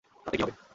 তাতে কী হবে?